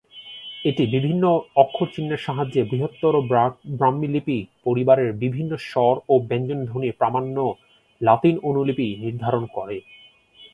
এটি বিভিন্ন অক্ষর-চিহ্নের সাহায্যে বৃহত্তর ব্রাহ্মী লিপি পরিবারের বিভিন্ন স্বর ও ব্যঞ্জন ধ্বনির প্রামাণ্য লাতিন অনুলিপি নির্ধারণ করে।